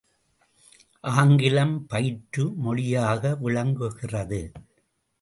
ஆங்கிலம் பயிற்று மொழியாக விளங்குகிறது.